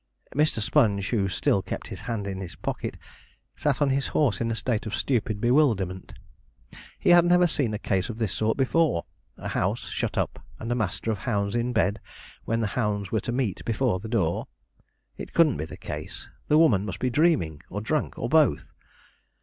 Mr. Sponge, who still kept his hand in his pocket, sat on his horse in a state of stupid bewilderment. He had never seen a case of this sort before a house shut up, and a master of hounds in bed when the hounds were to meet before the door. It couldn't be the case: the woman must be dreaming, or drunk, or both.